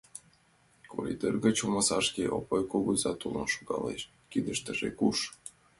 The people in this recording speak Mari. Коридор гыч омсашке Опой кугыза толын шогалеш, кидыштыже курш.